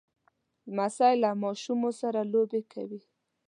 لمسی له ماشومو سره لوبې کوي.